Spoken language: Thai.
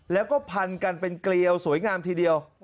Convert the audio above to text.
แล้วก็พันกันเป็นเกลียวสวยงามทีเดียว